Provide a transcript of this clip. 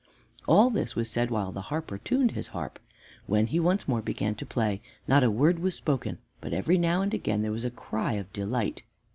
All this was said while the harper tuned his harp. When he once more began to play, not a word was spoken, but every now and again there was a cry of delight.